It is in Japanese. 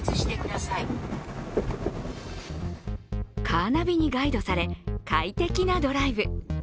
カーナビにガイドされ、快適なドライブ。